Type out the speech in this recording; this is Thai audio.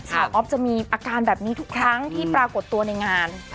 อ๊อฟจะมีอาการแบบนี้ทุกครั้งที่ปรากฏตัวในงาน